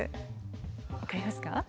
分かりますか？